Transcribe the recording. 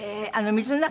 水の中。